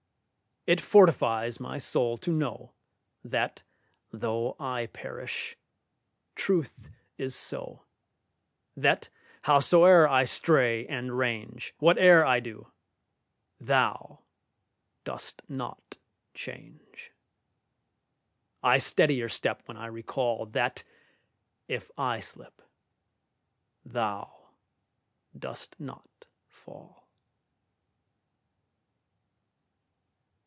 It fortifies my soul to know That, though I perish, Truth is so: That, howsoe'er I stray and range, Whate'er I do, Thou dost not change, I steadier step when I recall That, if I slip Thou dost not fall.